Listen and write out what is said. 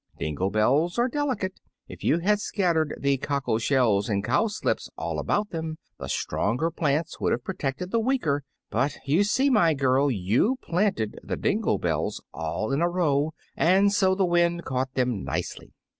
Dingle bells are delicate. If you had scattered the cockle shells and cowslips all about them, the stronger plants would have protected the weaker; but you see, my girl, you planted the dingle bells all in a row, and so the wind caught them nicely."